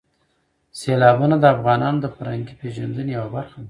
سیلابونه د افغانانو د فرهنګي پیژندنې یوه برخه ده.